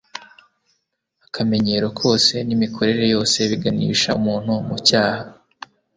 Akamenyero kose n'imikorere yose biganisha umuntu mu cyaha,